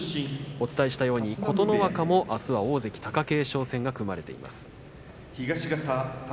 お伝えしたように琴ノ若もあすは大関貴景勝戦が組まれています。